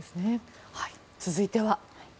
続いては。